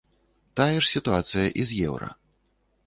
Тая ж сітуацыя і з еўра.